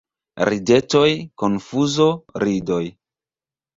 Ridetoj, konfuzo, ridoj.